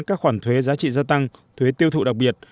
các khoản thuế giá trị gia tăng thuế tiêu thụ đặc biệt